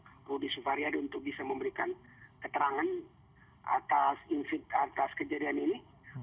pak rudi sufariadi untuk bisa memberikan keterangan atas kejadian ini